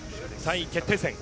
３位決定戦。